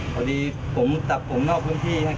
พอดีผมตัดผมนอกพื้นที่